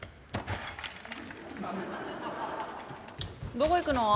どこ行くの？